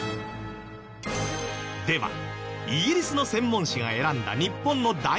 ではイギリスの専門誌が選んだ日本の大学ランキング。